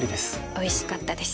おいしかったです。